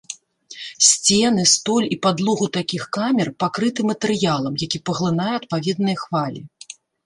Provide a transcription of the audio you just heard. Сцены, столь і падлогу такіх камер пакрыты матэрыялам, які паглынае адпаведныя хвалі.